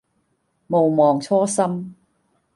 毋忘初心